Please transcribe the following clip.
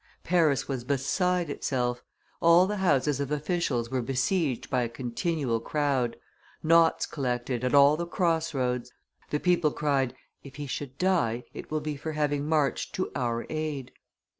Paris was beside itself; all the houses of officials were besieged by a continual crowd; knots collected, at all the cross roads. The people cried, 'If he should die, it will be for having marched to our aid.